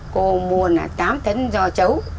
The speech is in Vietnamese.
cô mua tám tấn do chấu